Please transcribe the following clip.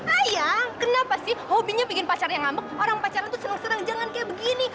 ayang kenapa sih hobinya bikin pacar yang ngambek orang pacaran tuh seneng seneng jangan kayak begini